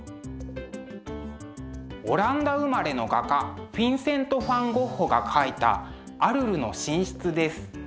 オランダ生まれの画家フィンセント・ファン・ゴッホが描いた「アルルの寝室」です。